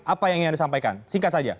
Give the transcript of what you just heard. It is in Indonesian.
apa yang ingin disampaikan singkat saja